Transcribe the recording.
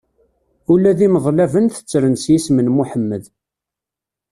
Ula d imeḍlaben tettren s yisem n Muḥemmed.